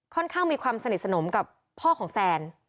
ข้างมีความสนิทสนมกับพ่อของแซน